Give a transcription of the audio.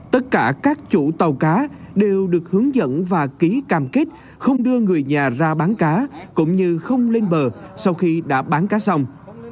tất cả các chủ tàu cá đều được hướng dẫn và ký cam kết không đưa người nhà ra bán cá cũng như không lên bờ sau khi đã bán cá xong